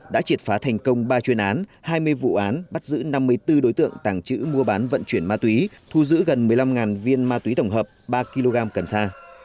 đã triệt phá thành công ba chuyên án hai mươi vụ án bắt giữ năm mươi bốn đối tượng tàng trữ mua bán vận chuyển ma túy thu giữ gần một mươi năm viên ma túy tổng hợp ba kg cần sa